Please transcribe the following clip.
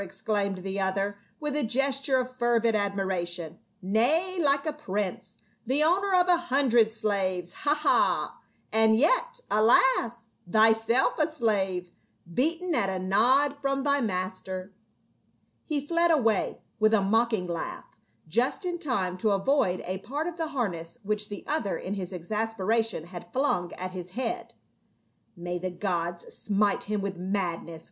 exclaimed the other, with a gesture of fervid admiration. " Nay, like a prince, the owner of a hundred slaves, ha, ha ! And yet, alas, thyself a slave, beaten at a nod from thy master." He fled away, with a mocking laugh, just in time to avoid a part of the harness which the other in his exasperation had flung at his head. " May the gods smite him with madness